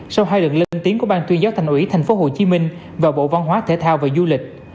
sau hai lần lên tiếng của ban tuyên giáo thành ủy tp hcm và bộ văn hóa thể thao và du lịch